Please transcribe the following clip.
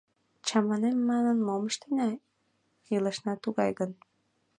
Чаманем манын, мом ыштена! — илышна тугай гын?!